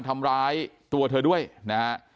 ทำร้ายตัวเธอด้วยนะฮะ